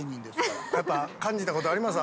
やっぱ感じたことあります？